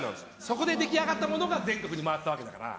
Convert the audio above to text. そこで出来上がったものが全国に回ったわけだから。